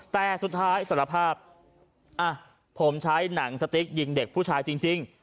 แต่สุดท้ายสารภาพอ่ะผมใช้หนังสติ๊กยิงเด็กผู้ชายจริง